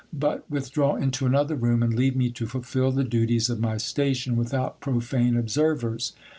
But withdraw into another room, and leave me to fulfil the duties of my station without profane observers.